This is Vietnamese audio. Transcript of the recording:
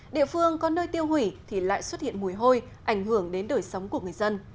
địa phương có nơi tiêu hủy thì lại xuất hiện mùi hôi ảnh hưởng đến đời sống của người dân